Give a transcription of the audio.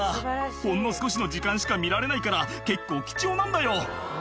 「ほんの少しの時間しか見られないから結構貴重なんだよ」